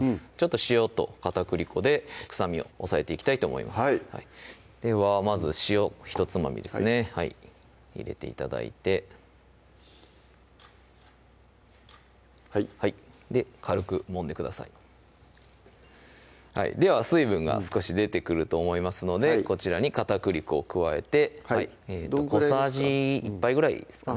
塩と片栗粉で臭みを抑えていきたいと思いますではまず塩ひとつまみですね入れて頂いてはいはい軽くもんでくださいでは水分が少し出てくると思いますのでこちらに片栗粉を加えて小さじ１杯ぐらいですかね